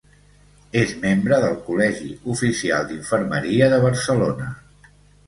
És membre del Col·legi Oficial d'Infermeria de Barcelona.